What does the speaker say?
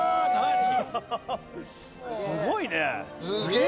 すごいねえ。